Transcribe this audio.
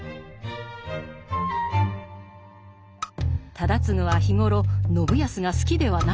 忠次は日頃信康が好きではなかった。